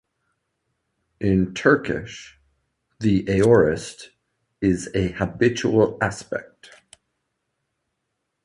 In Turkish the aorist is a habitual aspect.